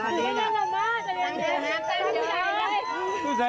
เห็นแล้วเห็นแล้ว